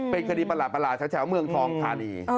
เป็นคดีประหลาดแถวเมืองทองธานี